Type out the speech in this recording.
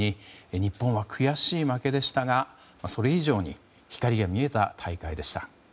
日本は悔しい負けでしたがそれ以上に光が見えた大会でした。